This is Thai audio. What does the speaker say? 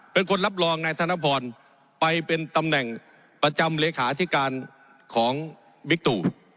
เป็นคนรับรองนายธนพรไปเป็นตำแหน่งประจำเลขาธิการของบิ๊กตู่